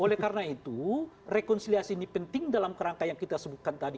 oleh karena itu rekonsiliasi ini penting dalam kerangka yang kita sebutkan tadi